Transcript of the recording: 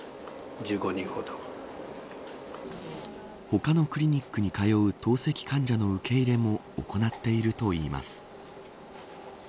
他のクリニックに通う透析患者の受け入れも行っているといいます。